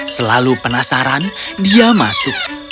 selalu penasaran dia masuk